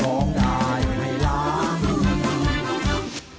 ร้องได้ให้ล้าน